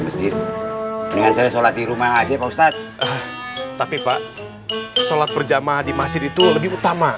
masjid mendingan saya sholat di rumah aja pak ustadz tapi pak sholat berjamaah di masjid itu lebih utama